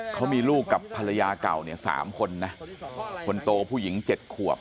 เขามีลูกกับภรรยาเก่าเนี่ย๓คนนะคนโตผู้หญิง๗ขวบ